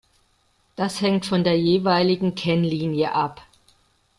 Das hängt von der jeweiligen Kennlinie ab.